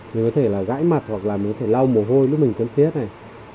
mình có thể là gãi mặt hoặc là mình có thể lau mồ hôi lúc mình chấm thiết này